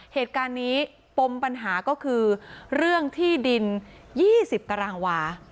เหตุการณ์นี้ปมปัญหาก็คือเรื่องที่ดิน๒๐ตารางวา